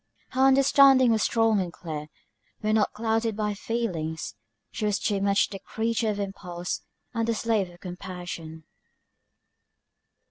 Her understanding was strong and clear, when not clouded by her feelings; but she was too much the creature of impulse, and the slave of compassion.